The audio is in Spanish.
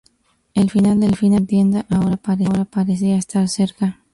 El final de la contienda ahora parecía estar cerca.